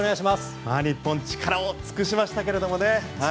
日本、力を尽くしましたけれどもね。